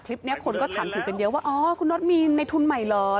คลิปนี้คนถามถึงกันเยอะว่าคุณน้อยมีในทุนใหม่เหรอ